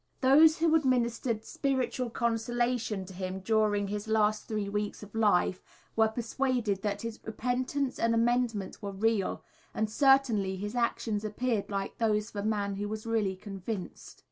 Those who administered spiritual consolation to him during his last three weeks of life were persuaded that his repentance and amendment were real, and certainly his actions appeared like those of a man who was really convinced.